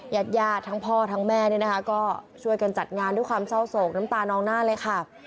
ญาติญาติทั้งพ่อทั้งแม่เนี่ยนะคะก็ช่วยกันจัดงานด้วยความเศร้าโศกน้ำตานองหน้าเลยค่ะ